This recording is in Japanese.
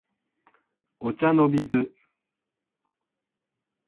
お茶の水